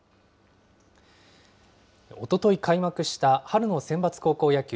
おととい開幕した春のセンバツ高校野球。